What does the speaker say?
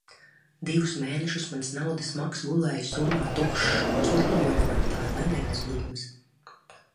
Divus mēnešus mans naudas maks gulēja somā tukšs. Uzliku modinātāju, lai neaizguļos.